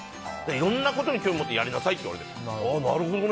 いろんなことに興味を持ってやりなさいって言われて。